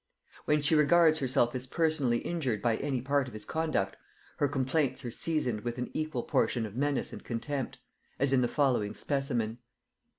When she regards herself as personally injured by any part of his conduct, her complaints are seasoned with an equal portion of menace and contempt; as in the following specimen.